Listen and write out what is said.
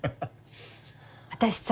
私さ。